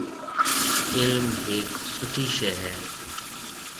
علم هيَڪ سُٺِي شئي هيَ۔